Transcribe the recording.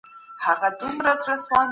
علمي استدلال د شکونو د لرې کولو وسيله ده.